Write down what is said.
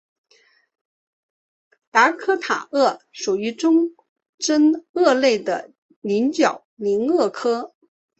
达科塔鳄属于中真鳄类的棱角鳞鳄科。